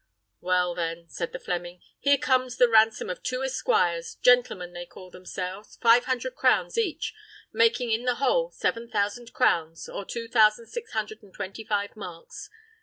"Well, then," said the Fleming, "here comes the ransom of two esquires, gentlemen they call themselves, five hundred crowns each, making in the whole seven thousand crowns, or two thousand six hundred and twenty five marks.